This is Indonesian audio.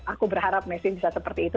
aku berharap mesin bisa seperti itu